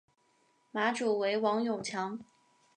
马主为王永强。